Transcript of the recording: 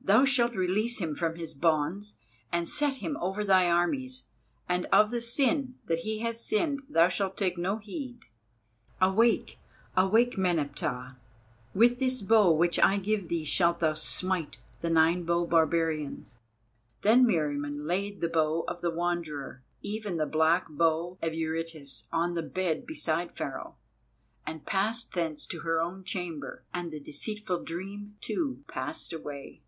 Thou shalt release him from his bonds and set him over thy armies, and of the sin that he has sinned thou shalt take no heed. Awake, awake, Meneptah; with this bow which I give thee shalt thou smite the Nine bow barbarians." Then Meriamun laid the bow of the Wanderer, even the black bow of Eurytus, on the bed beside Pharaoh, and passed thence to her own chamber, and the deceitful dream too passed away.